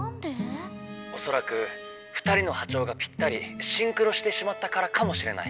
「おそらく２人のはちょうがぴったりシンクロしてしまったからかもしれない。